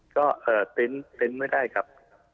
ก็เต็นต์ไม่ได้ครับ